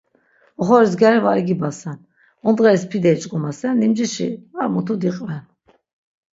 Oxoris gyari va igibasen. Ondğeris pide iç̆k̆omasen, limcişi ar mutu diqven...